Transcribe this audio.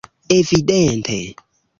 Evidente!